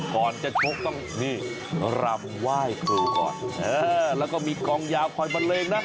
ก่อนจะชกต้องนี่รำไหว้ครูก่อนแล้วก็มีกองยาวคอยบันเลงนะ